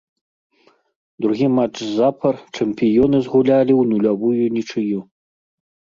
Другі матч запар чэмпіёны згулялі ў нулявую нічыю.